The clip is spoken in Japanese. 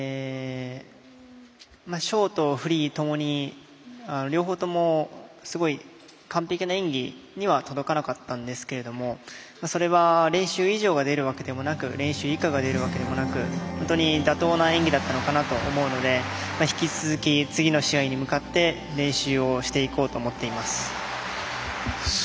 ショート、フリーともに両方ともすごい完璧な演技には届かなかったんですけれどもそれは練習以上が出るわけでもなく練習以下が出るわけでもなく本当に妥当な演技だったかなと思うので引き続き次の試合に向かって練習をしていこうと思っています。